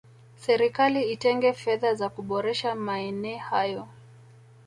serikali itenge fedha za kuboresha maene hayo